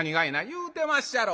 「言うてまっしゃろ。